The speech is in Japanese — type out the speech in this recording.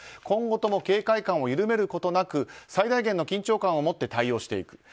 今後とも警戒感を緩めることなく最大限の緊張感をもって対応していく。